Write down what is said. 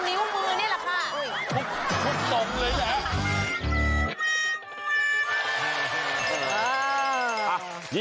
ไม่